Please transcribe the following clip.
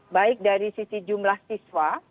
baik dari sisi jumlah siswa